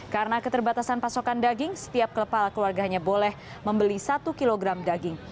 karena keterbatasan pasokan daging setiap kepala keluarganya boleh membeli satu kg daging